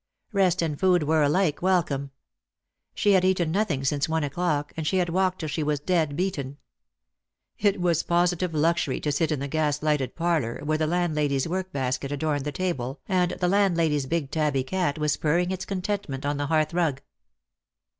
Rest and food were alike welcome. She had eaten nothing since one o'clock, and she had walked till she was dead beaten. It was positive luxury to sit in the gas lighted parlour, where the landlady's work basket adorned the table, and the landlady's big tabby cat was purring its contentment on the hearthrug.